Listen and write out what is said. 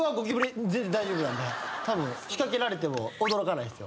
たぶん仕掛けられても驚かないっすよ。